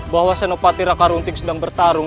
bahwa senopati raka runting sedang bertarung